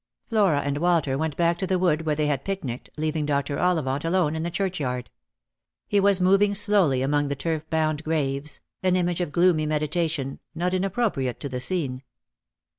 Flora and Walter went back to the wood where they had picknicked, leaving Dr. Ollivant alone in the churchyard. He was moving slowly among the turf bound graves, an image of gloomy meditation, not inappropriate to the scene.